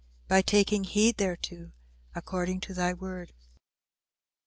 By taking heed thereto according to thy word."